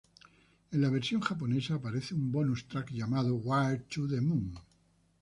En la versión japonesa aparece un bonus track llamado "Wired To The Moon".